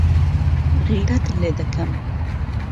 غیرەت لێ دەکەم.